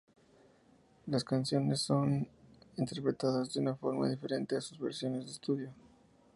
Las canciones son interpretadas de una forma diferente a sus versiones de estudio.